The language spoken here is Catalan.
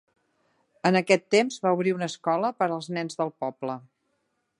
En aquest temps va obrir una escola per als nens del poble.